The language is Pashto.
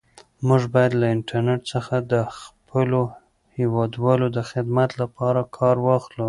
موږ باید له انټرنیټ څخه د خپلو هیوادوالو د خدمت لپاره کار واخلو.